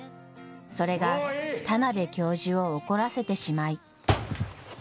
それが田邊教授を怒らせてしまい。